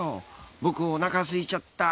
僕、おなかすいちゃった。